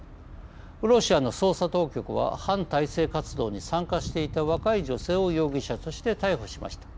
ロシアの捜査当局は反体制活動に参加していた若い女性を容疑者として逮捕しました。